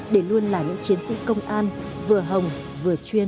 để luôn là những chiến sĩ công an vừa hồng vừa chuyên